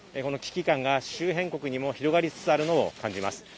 危機感が周辺国にも広がりつつあるのを感じます。